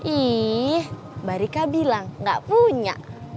ih mbak rika bilang gak punya